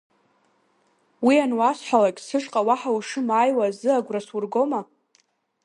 Уи ануасҳәалак, сышҟа уаҳа ушымааиуа азы агәра сургома?